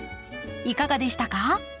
いかがでしたか？